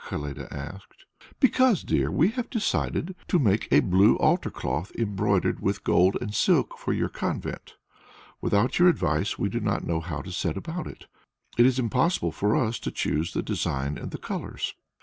Helene asked. "Because, dear, we have decided to make a blue altar cloth embroidered with gold and silk for your convent. Without your advice we do not know how to set about it; it is impossible for us to choose the design and the colours."